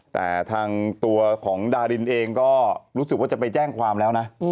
แต่ทางตัวของดารินเองก็รู้สึกว่าจะไปแจ้งความแล้วนะ